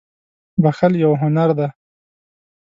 • بښل یو هنر دی.